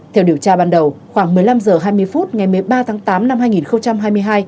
theo điều tra ban đầu khoảng một mươi năm h hai mươi phút ngày một mươi ba tháng tám năm hai nghìn hai mươi hai